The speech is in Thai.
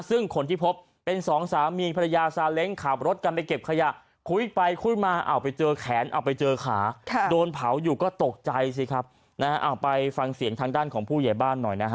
ซึ่งคนที่พบเป็นสองสามีภรรยาซาเล้งขับรถกันไปเก็บขยะคุยไปคุยมาเอาไปเจอแขนเอาไปเจอขาโดนเผาอยู่ก็ตกใจสิครับนะฮะเอาไปฟังเสียงทางด้านของผู้ใหญ่บ้านหน่อยนะฮะ